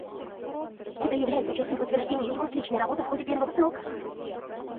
Это является четким подтверждением его отличной работы в ходе первого срока.